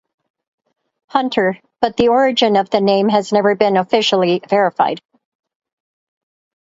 Hunter, but the origin of the name has never been officially verified.